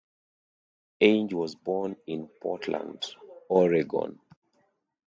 Ainge was born in Portland, Oregon.